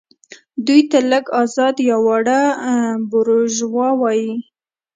دوی ته لږ ازاد یا واړه بوروژوا وايي.